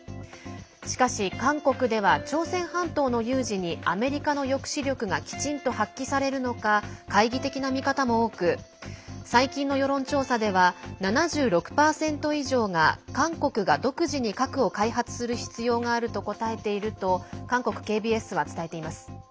しかし韓国では朝鮮半島の有事にアメリカの抑止力がきちんと発揮されるのか懐疑的な見方も多く最近の世論調査では７６％以上が韓国が独自に核を開発する必要があると答えていると韓国ＫＢＳは伝えています。